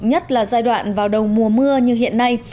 nhất là giai đoạn vào đầu mùa mưa như hiện nay